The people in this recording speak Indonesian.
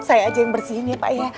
saya aja yang bersihin ya pak ya